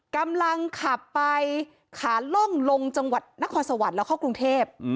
กำลังขับไปขาล่องลงจังหวัดนครสวรรค์แล้วเข้ากรุงเทพ